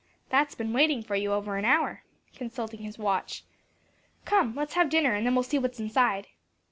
"That's been waiting for you for over an hour," consulting his watch. "Come let's have dinner and then we'll see what's inside."